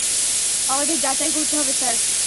আমাদের যাচাই করতে হবে স্যার।